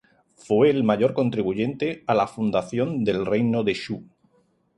Fue el mayor contribuyente a la fundación del reino de Shu.